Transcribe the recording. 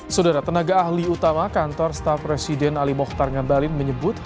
saudara tenaga ahli utama kantor staf presiden ali mokhtar ngabalin menyebut